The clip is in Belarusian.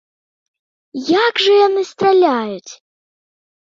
Як жа яны страляюць!